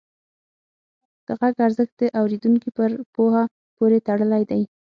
د غږ ارزښت د اورېدونکي پر پوهه پورې تړلی دی.